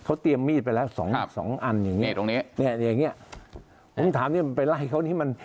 เขาเตรียมมีดไปแล้ว๒อันอย่างนี้ผมถามไปไล่เขานี่มัน